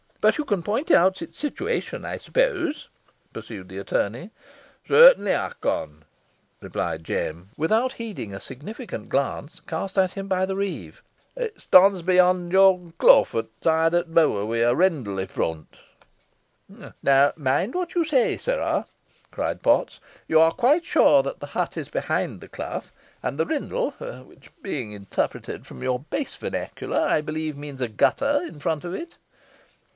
"But you can point out its situation, I suppose?" pursued the attorney. "Sartinly ey con," replied Jem, without heeding a significant glance cast at him by the reeve. "It stonds behind yon kloof, ot soide o' t' moor, wi' a rindle in front." "Now mind what you say, sirrah," cried Potts. "You are quite sure the hut is behind the clough; and the rindle, which, being interpreted from your base vernacular, I believe means a gutter, in front of it?"